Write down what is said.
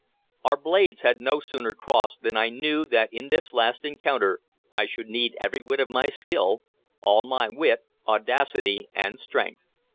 Our blades had no sooner crossed than I knew that in this last encounter I should need every whit of my skill, all my wit, audacity, and strength.